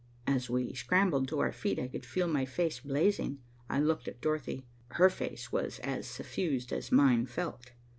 As we scrambled to our feet, I could feel my face blazing. I looked at Dorothy. Her face was as suffused as mine felt.